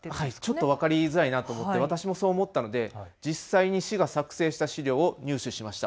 ちょっと分かりづらいなと私も思ったので実際に市が作成した資料を入手しました。